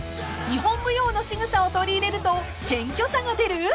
［日本舞踊のしぐさを取り入れると謙虚さが出る？］